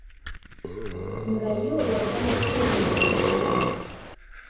Nga ye olwo adda mu kisenge kye ng'alaaza.